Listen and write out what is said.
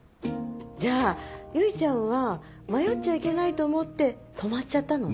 じゃあ結ちゃんは迷っちゃいけないと思って止まっちゃったのね。